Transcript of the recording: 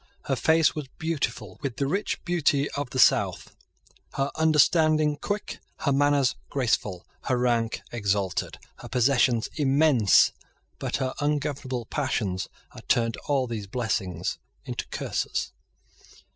Her face was beautiful with the rich beauty of the South, her understanding quick, her manners graceful, her rank exalted, her possessions immense; but her ungovernable passions had turned all these blessings into curses.